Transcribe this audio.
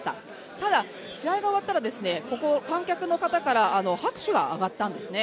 ただ、試合が終わったらここ、観客の方から拍手が上がったんですよね。